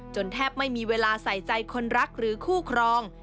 แทบไม่มีเวลาใส่ใจคนรักหรือคู่ครอง